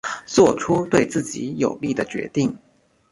做出对自己有利的决定